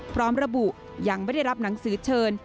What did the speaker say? พร้อมระบุยังไม่ได้รับหนังสือเชิญ